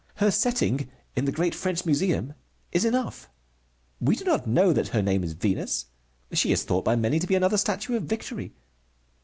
Her setting in the great French Museum is enough. We do not know that her name is Venus. She is thought by many to be another statue of Victory.